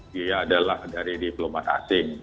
dia adalah dari diplomat asing